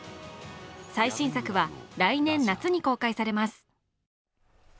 最新作は、来年夏に公開されます。